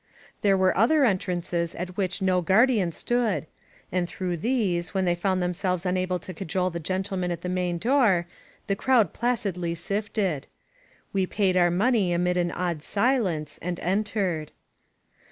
There were other entrances at which no guardian stood; and through these, when they found themselves unable to cajole the gentleman at the main door, the crowd plac idly sifted. We paid our money amid an awed silence and entered.